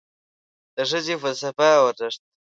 د ښځې فلسفه او ارزښت